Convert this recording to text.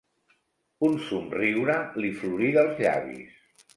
Un somriure li florí dels llavis.